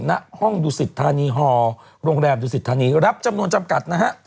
ณห้องดูสิทธานีฮอลโรงแรมดุสิทธานีรับจำนวนจำกัดนะฮะ